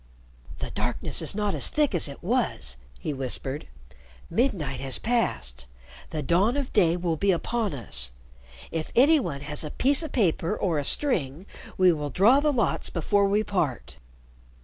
"The darkness is not as thick as it was," he whispered. "Midnight has passed. The dawn of day will be upon us. If any one has a piece of paper or a string, we will draw the lots before we part."